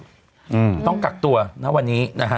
อืมต้องกักตัวนะวันนี้นะฮะ